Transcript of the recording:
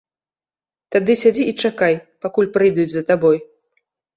Тады сядзі і чакай, пакуль прыйдуць за табой.